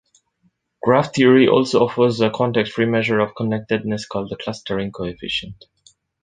Graph theory also offers a context-free measure of connectedness, called the clustering coefficient.